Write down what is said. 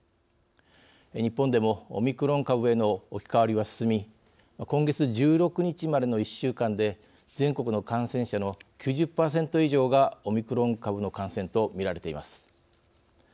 日本でも、オミクロン株への置き換わりは進み今月１６日までの１週間で全国の感染者の９０％以上がオミクロン株の感染とみられています。